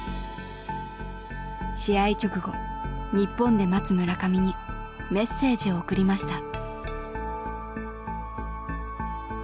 試合直後日本で待つ村上にメッセージを送りました。